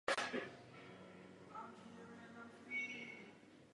Rok a půl herectví studoval na londýnské škole Academy Of Music And Drama Art.